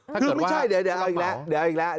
ไม่ใช่เดี๋ยวเอาอีกแล้ว